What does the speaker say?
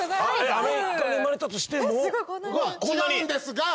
「アメリカで生まれたとしても」。は違うんですが。